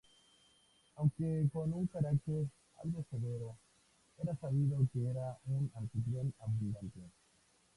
Aunque con un carácter algo severo, era sabido que era un anfitrión abundante.